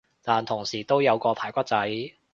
但同時都有個排骨仔